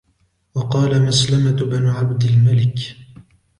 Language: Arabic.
وَقَالَ مَسْلَمَةُ بْنُ عَبْدِ الْمَلِكِ